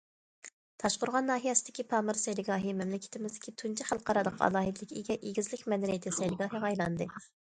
تاشقورغان ناھىيەسىدىكى‹‹ پامىر سەيلىگاھى›› مەملىكىتىمىزدىكى تۇنجى خەلقئارالىق ئالاھىدىلىككە ئىگە ئېگىزلىك مەدەنىيىتى سەيلىگاھىغا ئايلاندى.